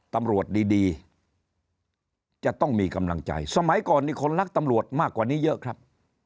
ตำรวจดีจะต้องมีกำลังใจสมัยก่อนมีคนรักตำรวจมากกว่านี้เยอะครับ